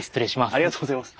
ありがとうございます。